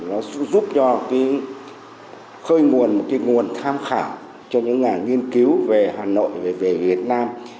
nó giúp cho cái khơi nguồn một cái nguồn tham khảo cho những nhà nghiên cứu về hà nội về việt nam